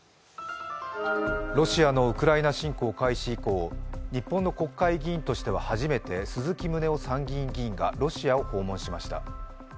ロシアのウクライナ侵攻開始以降、日本の国会議員としては初めて鈴木宗男参議院議員がロシアを訪問しました。